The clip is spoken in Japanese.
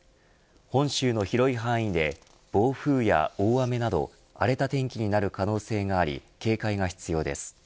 本州の広い範囲で暴風や大雨など荒れた天気になる可能性があり警戒が必要です。